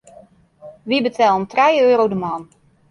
Wy betellen trije euro de man.